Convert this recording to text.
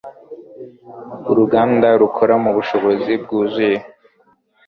Uruganda rukora mubushobozi bwuzuye.